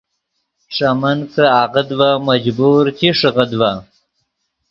ݰے من کہ آغت ڤے مجبور چی ݰیغیت ڤے